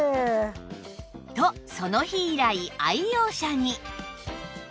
とその日以来愛用者に